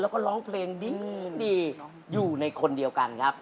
แล้วก็ร้องเพลงดีอยู่ในคนเดียวกันครับ